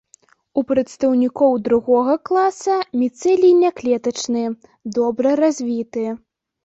У прадстаўнікоў другога класа міцэлій няклетачны, добра развіты.